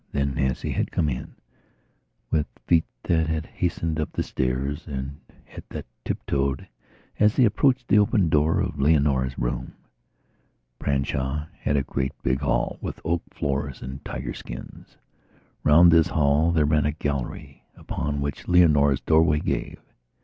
Then Nancy had come in, with feet that had hastened up the stairs and that tiptoed as they approached the open door of Leonora's room. Branshaw had a great big hall with oak floors and tiger skins. Round this hall there ran a gallery upon which Leonora's doorway gave.